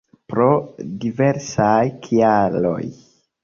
Pro diversaj kialoj.